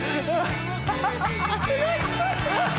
すごい！